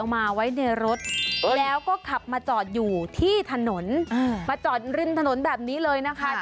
มาจอดรึ้นถนนแบบนี้เลยนะคะ